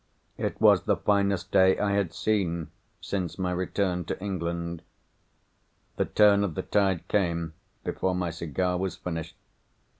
It was the finest day I had seen since my return to England. The turn of the tide came, before my cigar was finished.